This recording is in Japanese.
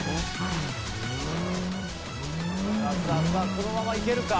このままいけるか？